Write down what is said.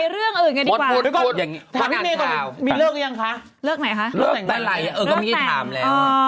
เริ่มแต่ไหนก็ไม่ได้ถามแล้ว